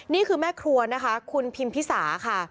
นี่คือแม่ครัวนะคะคุณพิมพิสาค่ะ